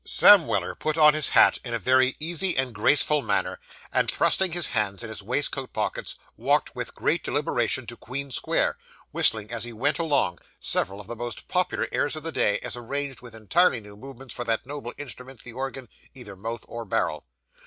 Sam Weller put on his hat in a very easy and graceful manner, and, thrusting his hands in his waistcoat pockets, walked with great deliberation to Queen Square, whistling as he went along, several of the most popular airs of the day, as arranged with entirely new movements for that noble instrument the organ, either mouth or barrel.